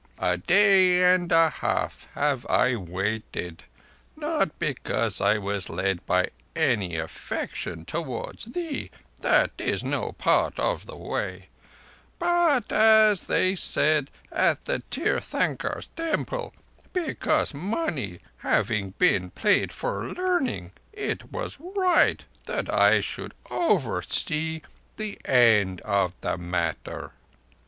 A day and a half have I waited, not because I was led by any affection towards thee—that is no part of the Way—but, as they said at the Tirthankars' Temple, because, money having been paid for learning, it was right that I should oversee the end of the matter.